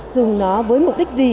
dùng nó với mục đích gì